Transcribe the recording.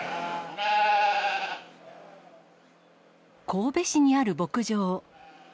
神戸市にある牧場。